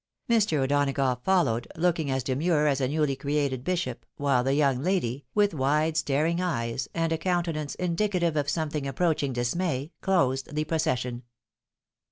Mr. O'Donagough followed, looking as demure as a newly created bishop, while the young lady, with wide staring eyes, and a countenance indicative of something approaching (Usmay, closed the procession.